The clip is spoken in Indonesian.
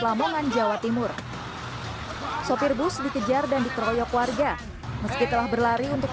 lamongan jawa timur sopir bus dikejar dan dikeroyok warga meski telah berlari untuk